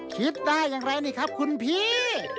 คิดได้อย่างไรนี่ครับคุณพี่